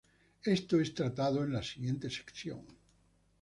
Esto es tratado en la siguiente sección.